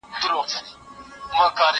زه پرون پوښتنه وکړه!.